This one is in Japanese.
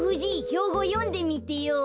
ひょうごをよんでみてよ。